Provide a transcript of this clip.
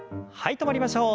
止まりましょう。